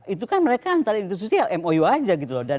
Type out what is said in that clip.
itu kan mereka antara institusi ya mou aja gitu loh